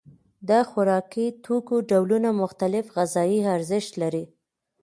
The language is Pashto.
د خوراکي توکو ډولونه مختلف غذایي ارزښت لري.